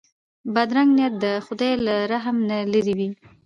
بدرنګه نیت د خدای له رحم نه لیرې وي